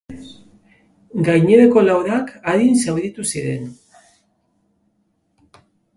Gainerako laurak arin zauritu ziren.